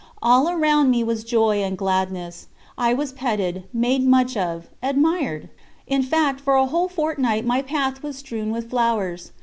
All around me was joy and gladness; I was petted, made much of, admired in fact, for a whole fortnight my path was strewn with flowers.